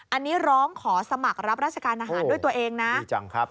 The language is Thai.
อันนี้ร้องขอสมัครรับราชการทหารด้วยตัวเองนะดีจังครับ